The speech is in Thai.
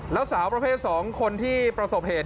แล้วสาวประเภท๒คนที่ประสบเหตุ